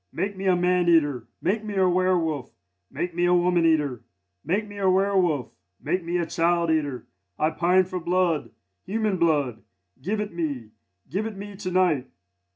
make me a man eater! Make me a werwolf! make me a woman eater! Make me a werwolf! make me a child eater! I pine for blood! human blood! Give it me! give it me to night!